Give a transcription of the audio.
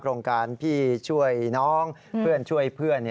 โครงการพี่ช่วยน้องเพื่อนช่วยเพื่อน